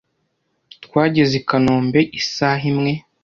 Twageze i kanombe isaha imwe